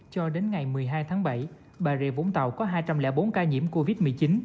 cho đến ngày một mươi hai tháng bảy bà rịa vũng tàu có hai trăm linh bốn ca nhiễm covid một mươi chín